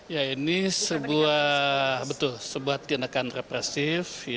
ya ini sebuah betul sebuah tindakan depresif